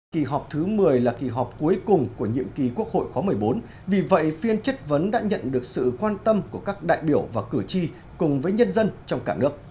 kỳ họp thứ một mươi là kỳ họp cuối cùng của nhiệm kỳ quốc hội khóa một mươi bốn vì vậy phiên chất vấn đã nhận được sự quan tâm của các đại biểu và cử tri cùng với nhân dân trong cả nước